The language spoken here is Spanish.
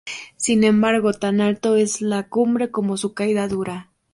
Sin embargo, tan alto es la cumbre como su caída dura.